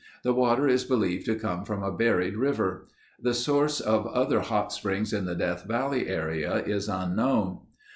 The water is believed to come from a buried river. The source of other hot springs in the Death Valley area is unknown.